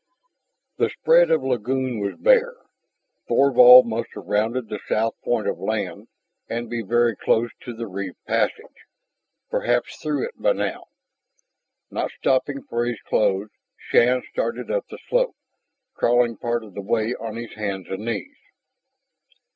The spread of lagoon was bare. Thorvald must have rounded the south point of land and be very close to the reef passage, perhaps through it by now. Not stopping for his clothes, Shann started up the slope, crawling part of the way on his hands and knees.